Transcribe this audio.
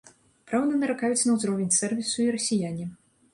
Праўда, наракаюць на ўзровень сэрвісу і расіяне.